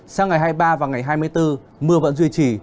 sang ngày hai mươi ba và ngày hai mươi bốn mưa vẫn duy trì